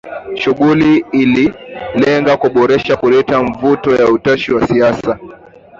Shughuli ililenga kuboresha kuleta mvuto na utashi wa kisiasa